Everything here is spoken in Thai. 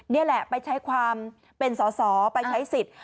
นี่แหละไปใช้ความเป็นสอสอไปใช้สิทธิ์